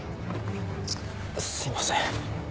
すいません。